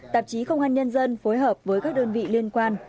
tạp chí công an nhân dân phối hợp với các đơn vị liên quan